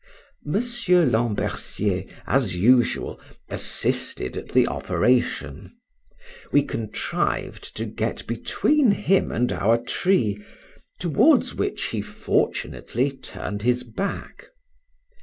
Mr. Lambercier, as usual, assisted at the operation; we contrived to get between him and our tree, towards which he fortunately turned his back.